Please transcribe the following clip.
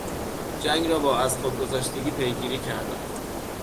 جنگ را با از خود گذشتگی پیگیری کردن